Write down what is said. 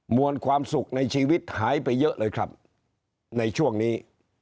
วลความสุขในชีวิตหายไปเยอะเลยครับในช่วงนี้